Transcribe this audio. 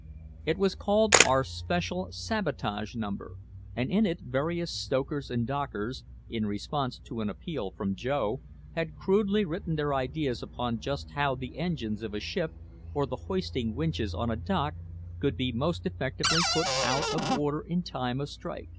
It was called "Our Special Sabotage Number," and in it various stokers and dockers, in response to an appeal from Joe, had crudely written their ideas upon just how the engines of a ship or the hoisting winches on a dock could be most effectively put out of order in time of strike.